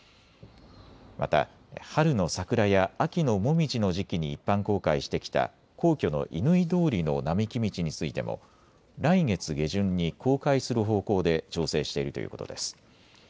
また春の桜や秋のもみじの時期に一般公開してきた皇居の乾通りの並木道についても、来月下旬に公開する方向で調整しているということです。